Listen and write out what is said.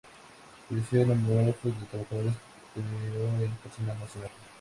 Creció el número de trabajadores, creó el personal nacional.